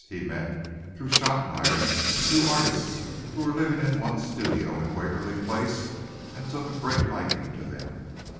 He met, through Shotmeyer, two artists who were living in one studio in Waverly Place and took a great liking to them.